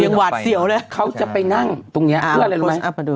หวาดเสียวเลยเขาจะไปนั่งตรงเนี้ยเพื่ออะไรรู้ไหม